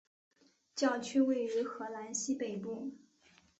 教区位于荷兰西北部。